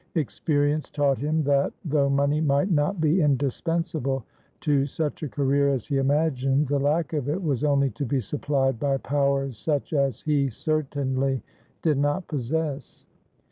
Experience taught him that, though money might not be indispensable to such a career as he imagined, the lack of it was only to be supplied by powers such as he certainly did not possess.